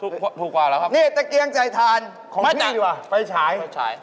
ซื้ออะไรเพิ่มใช่ไหม